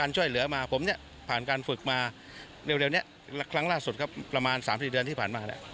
เร็วนี้ครั้งล่าสุดครับประมาณ๓๔เดือนที่ผ่านมาแล้ว